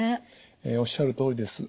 おっしゃるとおりです。